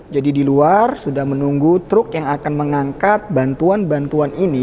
jadi di luar sudah menunggu truk yang akan mengangkat bantuan bantuan ini